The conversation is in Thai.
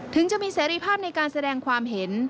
ถึงจะมีเสรีภาพในการแสดงความเห็น